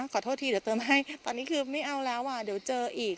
ขอโทษทีเดี๋ยวเติมให้ตอนนี้คือไม่เอาแล้วอ่ะเดี๋ยวเจออีก